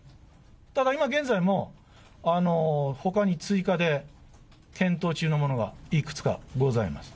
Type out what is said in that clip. ただ今現在も、ほかに追加で検討中のものがいくつかございます。